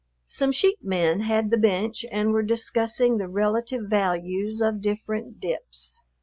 Some sheep men had the bench and were discussing the relative values of different dips.